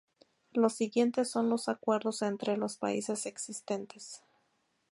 Los siguientes son los acuerdos entre los países existentes.